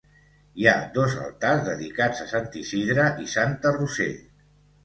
Hi ha dos altars dedicats a Sant Isidre i Santa Roser.